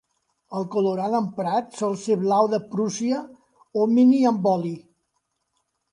El colorant emprat sol ser Blau de Prússia o Mini amb oli.